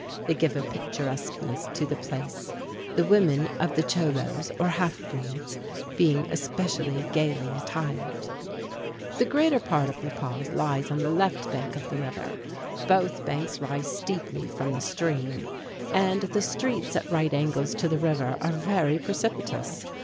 They give a picturesqueness to the place, the women of the Cholos (cho´los), or half breeds, being especially gaily attired. The greater part of La Paz lies on the left bank of the river. Both banks rise steeply from the stream, and the streets at right angles to the river are very precipitous.